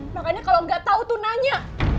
makanya kalo gak tau tuh nanya